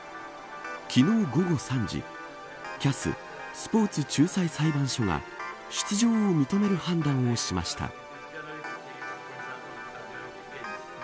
昨日、午後３時ＣＡＳスポーツ仲裁裁判所が出場を認める判断をしました。